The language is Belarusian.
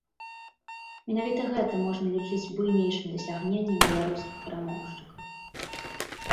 Менавіта гэта можна лічыць буйнейшым дасягненнем беларускіх перамоўшчыкаў.